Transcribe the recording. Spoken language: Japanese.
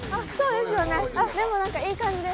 でもなんかいい感じです。